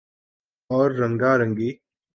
اور رنگا رنگی